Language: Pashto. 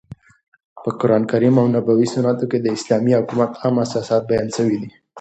په قرانکریم او نبوي سنتو کښي د اسلامي حکومت عام اساسات بیان سوي دي.